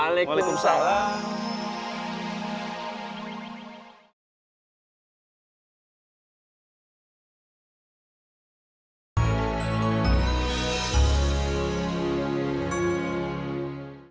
assalamualaikum warahmatullahi wabarakatuh